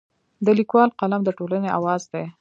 د لیکوال قلم د ټولنې اواز دی.